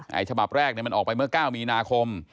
ฉบับแรกมันออกไปเมื่อ๙มีนาคม